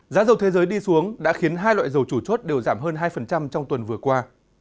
giá dầu thế giới đi xuống đã khiến hai loại dầu chủ chốt đều giảm hơn hai trong tuần vừa qua